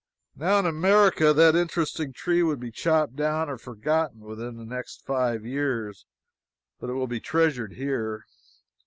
Now in America that interesting tree would be chopped down or forgotten within the next five years, but it will be treasured here.